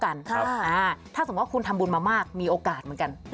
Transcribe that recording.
คนทำบุญมาไม่เท่ากันถ้าสมมุติว่าคุณทำบุญมามากมีโอกาสเหมือนกัน